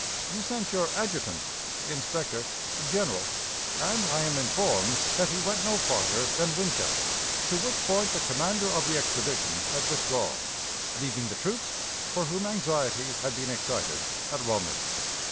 You sent your adjutant (inspector?) general, and I am informed that he went no farther than Winchester, to which point the commander of the expedition had withdrawn; leaving the troops, for whom anxiety had been excited, at Romney.